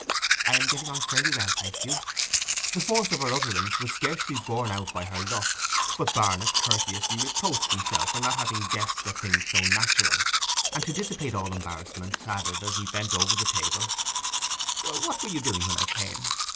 'I am getting on fairly well, thank you.' The force of her utterance was scarcely borne out by her look; but Barnet courteously reproached himself for not having guessed a thing so natural; and to dissipate all embarrassment, added, as he bent over the table, 'What were you doing when I came?